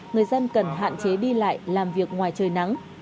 người dân cần hạn chế đi lại làm việc ngoài trời nắng